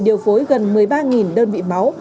điều phối gần một mươi ba đơn vị máu